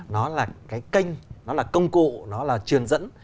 nó là cái kênh nó là công cụ nó là truyền dẫn